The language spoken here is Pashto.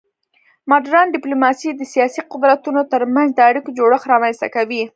مډرن ډیپلوماسي د سیاسي قدرتونو ترمنځ د اړیکو جوړښت رامنځته کوي